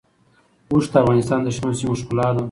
اوښ د افغانستان د شنو سیمو ښکلا ده.